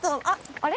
あれ？